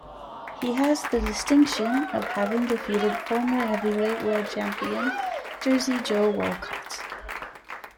He has the distinction of having defeated former heavyweight world champion Jersey Joe Walcott.